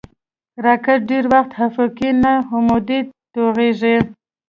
راکټ ډېری وخت افقي نه، عمودي توغېږي